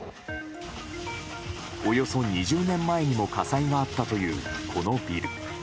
およそ２０年前にも火災があったという、このビル。